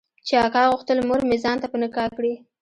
چې اکا غوښتل مورمې ځان ته په نکاح کړي.